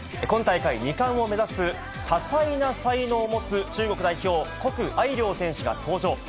今大会２冠を目指す多彩な才能を持つ中国代表、谷愛凌選手が登場。